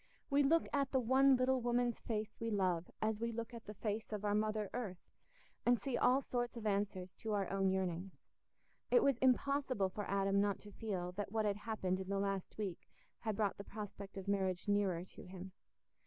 We look at the one little woman's face we love as we look at the face of our mother earth, and see all sorts of answers to our own yearnings. It was impossible for Adam not to feel that what had happened in the last week had brought the prospect of marriage nearer to him.